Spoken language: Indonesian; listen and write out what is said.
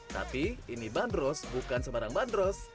tapi ini bandros bukan sembarang bandros